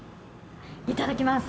いただきます。